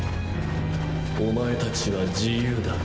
お前たちは自由だ。